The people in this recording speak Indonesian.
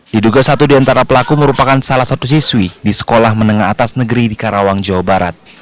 diduga satu di antara pelaku merupakan salah satu siswi di sekolah menengah atas negeri di karawang jawa barat